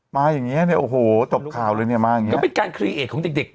อย่างเงี้เนี่ยโอ้โหตบข่าวเลยเนี่ยมาอย่างเงี้ก็เป็นการคลีเอกของเด็กเด็ก